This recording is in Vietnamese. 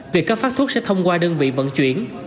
việc cấp phát thuốc sẽ thông qua đơn vị vận chuyển